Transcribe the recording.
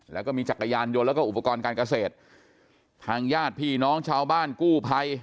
แล้วก็มีจักรยานยนต์แล้วก็อุปกรณ์การเกษตรทางญาติพี่น้องชาวบ้านกู้ภัย